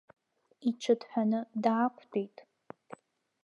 Иҽыҭҳәаны даақәтәеит.